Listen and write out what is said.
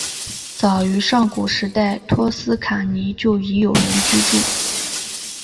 早于上古时代托斯卡尼就已有人居住。